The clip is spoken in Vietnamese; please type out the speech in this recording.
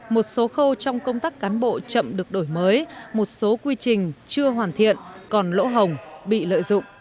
một số khâu trong công tác cán bộ chậm được đổi mới một số quy trình chưa hoàn thiện còn lỗ hồng bị lợi dụng